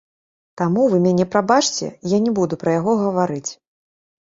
Таму вы мяне прабачце, я не буду пра яго гаварыць.